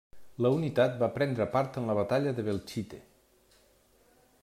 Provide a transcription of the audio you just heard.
La unitat va prendre part en la batalla de Belchite.